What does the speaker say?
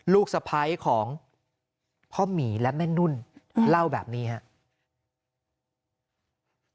ลูกสะพ้ายของพ่อหมีและแม่นุ่นเล่าแบบนี้ครับ